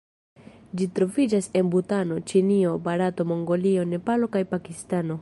Ĝi troviĝas en Butano, Ĉinio, Barato, Mongolio, Nepalo kaj Pakistano.